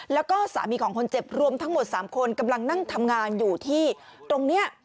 แล้วก็สามีของคนเจ็บรวมทั้งหมด๓คนกำลังนั่งทำงานอยู่ที่ตรงนี้